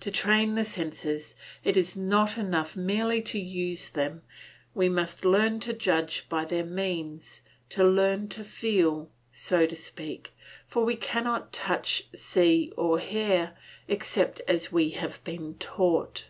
To train the senses it is not enough merely to use them; we must learn to judge by their means, to learn to feel, so to speak; for we cannot touch, see, or hear, except as we have been taught.